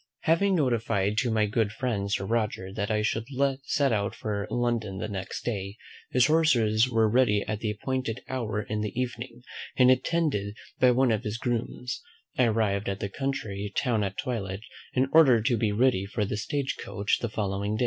Having notified to my good friend Sir Roger that I should set out for London the next day, his horses were ready at the appointed hour in the evening; and attended by one of his grooms, I arrived at the country town at twilight, in order to be ready for the stage coach the day following.